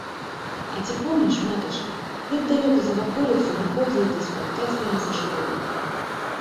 А ці помніш, матачка, як далёка за ваколіцу выходзіла ты спаткаць мяне са школы?